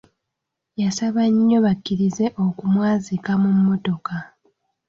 Yasaba nnyo bakkirize okumwazika mu mmotoka.